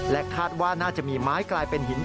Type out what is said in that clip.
คาดว่าน่าจะมีไม้กลายเป็นหิน